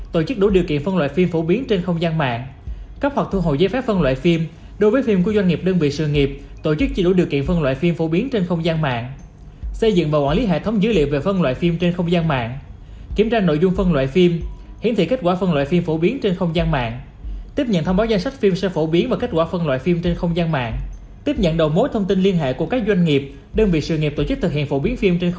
tổ chức doanh nghiệp có nền tảng truyền thông số